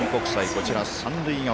こちら三塁側。